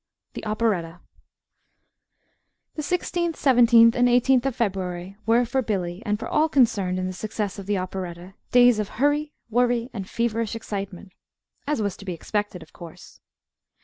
THE OPERETTA The sixteenth, seventeenth, and eighteenth of February were, for Billy, and for all concerned in the success of the operetta, days of hurry, worry, and feverish excitement, as was to be expected, of course.